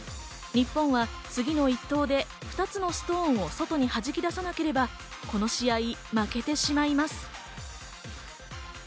日本は次の１投で２つのストーンを外にはじき出さなければ、この試合、負けてしまいます。